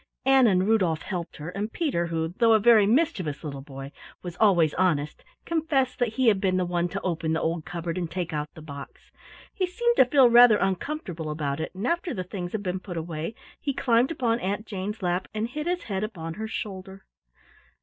Ann and Rudolf helped her, and Peter who, though a very mischievous little boy, was always honest, confessed that he had been the one to open the old cupboard and take out the box. He seemed to feel rather uncomfortable about it, and after the things had been put away, he climbed upon Aunt Jane's lap and hid his head upon her shoulder.